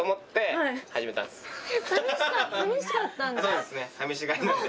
そうですね。